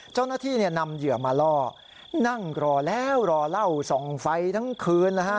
เจ้าหน้าที่นำเหยื่อมาล่อนั่งรอแล้วรอเล่าส่องไฟทั้งคืนนะฮะ